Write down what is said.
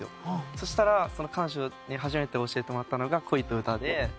そしたらその彼女に初めて教えてもらったのが『恋と吟』で。